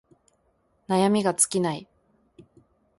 悩みが尽きない